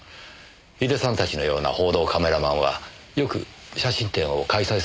井出さんたちのような報道カメラマンはよく写真展を開催されるのでしょうか？